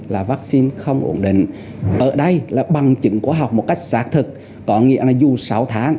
là vaccine không ổn định ở đây là bằng chứng khoa học một cách xác thực có nghĩa là dù sáu tháng